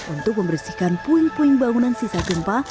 untuk membersihkan puing puing bangunan sisa gempa